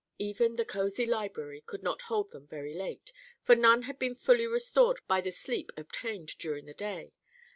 Even the cosy library could not hold them very late, for none had been fully restored by the sleep obtained during the day.